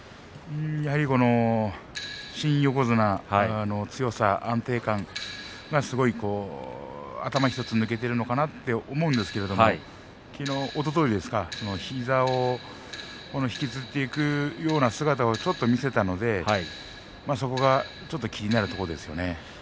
やはり新横綱の強さ安定感がすごい頭１つ抜けているのかなと思うんですけどおとといですか膝を引きずっていくような姿をちょっと見せたのでそこが気になるところですよね。